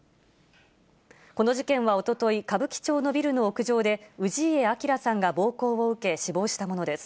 この事件はおととい、歌舞伎町のビルの屋上で、氏家彰さんが暴行を受け、死亡したものです。